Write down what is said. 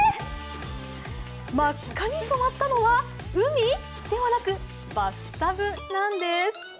真っ赤に染まったのは海？ではなくバスタブなんです。